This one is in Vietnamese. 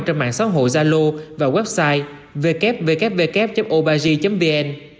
trên mạng xã hội zalo và website www oberg vn